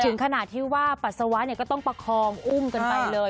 ถึงขนาดที่ว่าปัสสาวะก็ต้องประคองอุ้มกันไปเลย